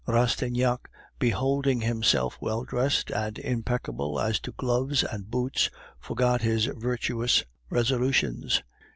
Rastignac beholding himself well dressed and impeccable as to gloves and boots, forgot his virtuous resolutions.